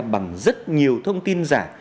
bằng rất nhiều thông tin giả